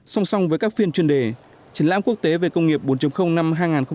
song song với các phiên chuyên đề triển lãm quốc tế về công nghiệp bốn năm hai nghìn hai mươi